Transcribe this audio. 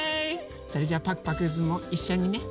それじゃあパクパクズもいっしょにね。